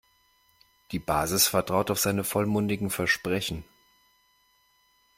Die Basis vertraut auf seine vollmundigen Versprechen.